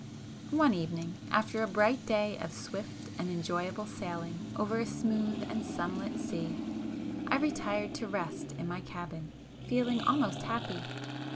One evening, after a bright day of swift and enjoyable sailing over a smooth and sunlit sea, I retired to rest in my cabin, feeling almost happy.